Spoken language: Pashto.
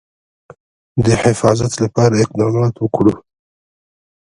د حفاظت لپاره اقدامات وکړو.